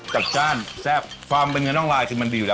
จัดจ้านแซ่บความเป็นเนื้อน้องลายคือมันดีอยู่แล้ว